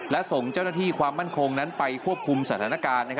และส่งเจ้าหน้าที่ความมั่นคงนั้นไปควบคุมสถานการณ์